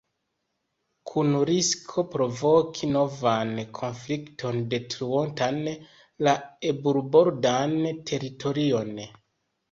Kun risko provoki novan konflikton detruontan la eburbordan teritorion.